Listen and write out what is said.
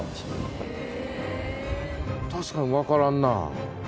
確かに分からんな。